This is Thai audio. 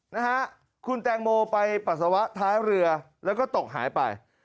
นะฮะคุณแตงโมไปปัสสาวะท้ายเรือแล้วก็ตกหายไป